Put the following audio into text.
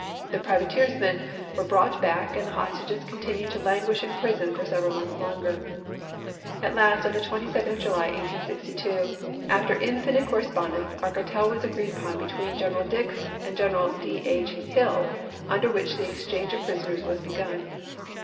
The privateersmen were brought back, and the hostages continued to lan guish in prison for several months longer. At last, on the 22d of July, 1862, after infinite correspon dence, a cartel was agreed upon between General Dix and General D. H. Hill, under which the ex change of prisoners was begun.